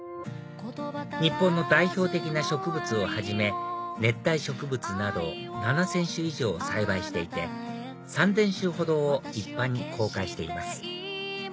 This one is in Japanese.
日本の代表的な植物をはじめ熱帯植物など７０００種以上を栽培していて３０００種ほどを一般に公開しています